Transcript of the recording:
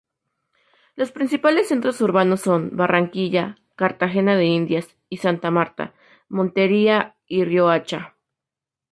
Los principales centros urbanos son Barranquilla, Cartagena de Indias, y Santa Marta, Montería, Riohacha.